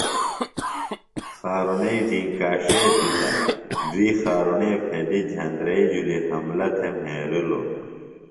خارُݨئی زینکاݜیتیۡ تہ دُوئی خارݨے پھیدیۡ جھندرئی جُھلیۡ حملہ تھےۡ مھرِلوۡ۔